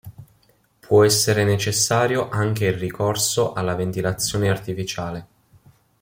Può essere necessario anche il ricorso alla ventilazione artificiale.